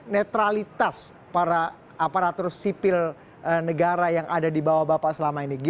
netralitas para aparatur sipil negara yang ada di bawah bapak selama ini